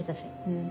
うん。